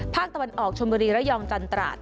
ภาคตะวันออกชนบุรีระยองจันตราด